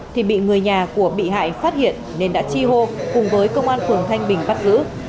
thì bị người nhà của bị hại phát hiện nên đã chi hô cùng với công an phường thanh bình bắt giữ